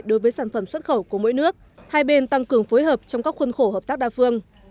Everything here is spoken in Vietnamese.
đối với sản phẩm xuất khẩu của mỗi nước hai bên tăng cường phối hợp trong các khuôn khổ hợp tác đa phương